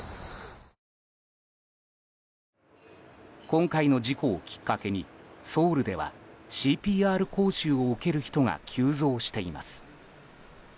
今回の事故をきっかけにソウルではＣＰＲ講習を受ける人が急増しています。